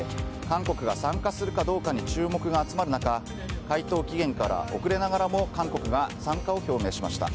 韓国が参加するかどうかに注目が集まる中回答期限から遅れながらも韓国が参加を表明しました。